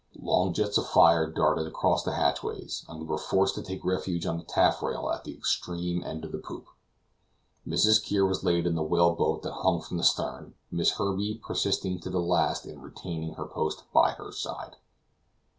Long jets of fire darted across the hatchways, and we were forced to take refuge on the taffrail at the extreme end of the poop. Mrs. Kear was laid in the whale boat that hung from the stern. Miss Herbey persisting to the last in retaining her post by her side.